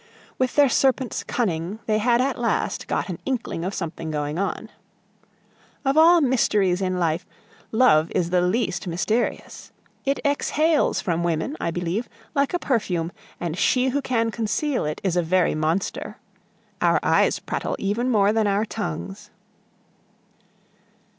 With their serpent's cunning they had at last got an inkling of something going on. Of all mysteries in life, love is the least mysterious! It exhales from women, I believe, like a perfume, and she who can conceal it is a very monster! Our eyes prattle even more than our tongues.